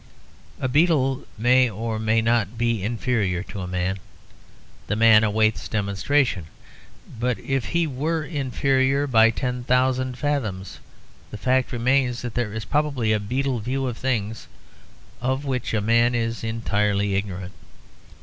A beetle may or may not be inferior to a man the matter awaits demonstration; but if he were inferior by ten thousand fathoms, the fact remains that there is probably a beetle view of things of which a man is entirely ignorant.